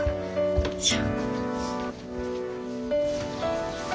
よいしょ。